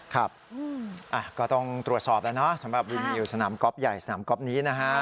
ครับก็ต้องตรวจสอบแล้วเนาะสำหรับรีวิวสนามก๊อฟใหญ่สนามก๊อฟนี้นะฮะ